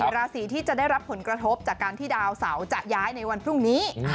ราศีที่จะได้รับผลกระทบจากการที่ดาวเสาจะย้ายในวันพรุ่งนี้